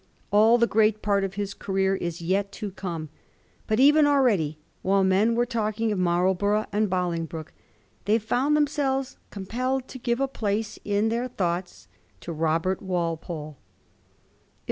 All the great part of his career is yet to come ; but even already, while men were talking of Marlborough and Bolingbroke, they found themselves compelled to give a place in their thoughts to Robert Walpole.